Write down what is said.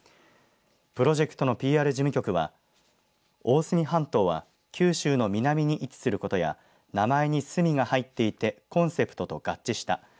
プロジェクトのＰＲ事務局は大隅半島は九州の南に位置することや名前にすみが入っていてコンセプトと合致した。